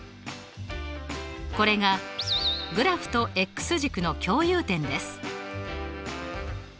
これがグラフと軸の共有点です。